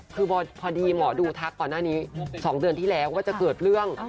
คือพอดีหมอดูทักก่อนหน้านี้๒เดือนที่แล้วก็จะเกิดเรื่อง